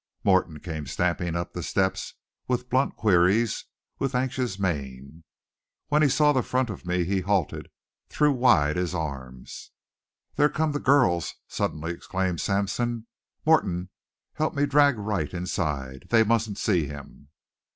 Morton came stamping up the steps with blunt queries, with anxious mien. When he saw the front of me he halted, threw wide his arms. "There come the girls!" suddenly exclaimed Sampson. "Morton, help me drag Wright inside. They mustn't see him."